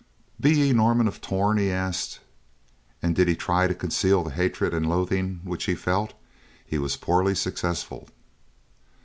"Be ye Norman of Torn?" he asked. And, did he try to conceal the hatred and loathing which he felt, he was poorly successful.